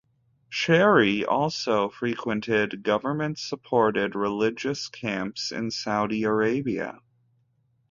Shehri also frequented government-supported religious camps in Saudi Arabia.